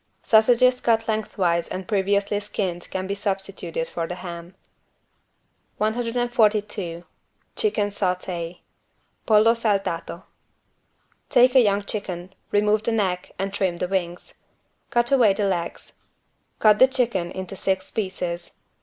Sausages cut lengthwise and previously skinned can be substituted for the ham. 142 CHICKEN SAUTÉ (Pollo saltato) Take a young chicken, remove the neck and trim the wings. Cut away the legs. Cut the chicken into six pieces.